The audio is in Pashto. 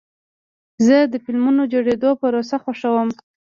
زه د فلمونو د جوړېدو پروسه خوښوم.